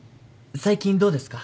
最近どうですか？